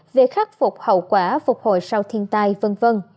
về khắc phục hậu quả phục hồi sau thiên tai v v